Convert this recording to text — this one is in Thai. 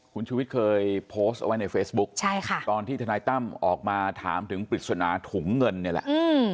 คุณชุวิตเคยโพสต์เอาไว้ในเฟซบุ๊คใช่ค่ะตอนที่ทนายตั้มออกมาถามถึงปริศนาถุงเงินเนี่ยแหละ